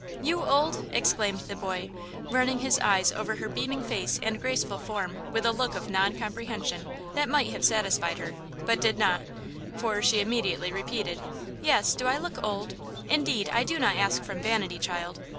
"You old?" exclaimed the boy, running his eyes over her beaming face and graceful form with a look of non comprehension that might have satisfied her, but did not, for she immediately repeated: "Yes; do I look old? Indeed I do not ask from vanity, child?